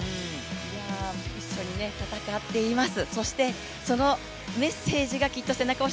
一緒に戦っています。